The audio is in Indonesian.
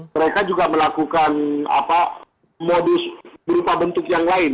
mereka juga melakukan modus berupa bentuk yang lain